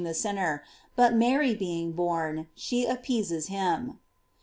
the sinner; but Mary being born, she appeases him.